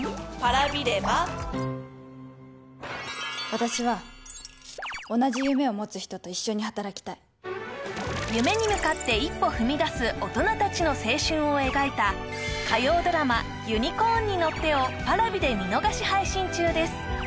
私は同じ夢を持つ人と一緒に働きたい夢に向かって一歩踏み出す大人達の青春を描いた火曜ドラマ「ユニコーンに乗って」をＰａｒａｖｉで見逃し配信中です